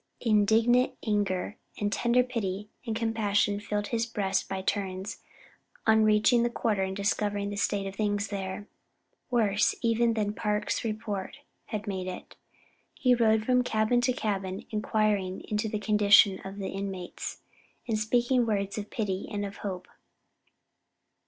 Indignant anger, and tender pity and compassion filled his breast by turns, on reaching the quarter and discovering the state of things there; worse even than Park's report had made it. He rode from cabin to cabin inquiring into the condition of the inmates and speaking words of pity and of hope.